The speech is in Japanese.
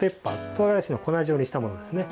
とうがらしを粉状にしたものですね。